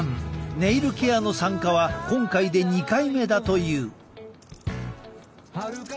ネイルケアの参加は今回で２回目だという。